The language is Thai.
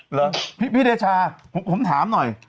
เหรอพี่เดชาผมถามหน่อย